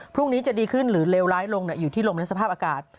พรุ่งนี้จะดีขึ้นหรือเลวร้ายลงอยู่ที่ลมและสภาพอากาศ